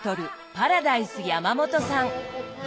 パラダイス山元さん。